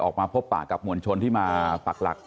ออกมาพบปากกับมวลชนที่มาปักหลัก